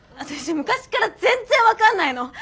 私昔から全然分かんないの！